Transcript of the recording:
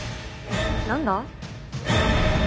何だ？